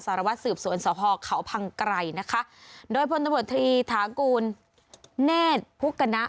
สารวัตรสืบสวนสพเขาพังไกรนะคะโดยพลตำรวจตรีถากูลเนธพุกณะ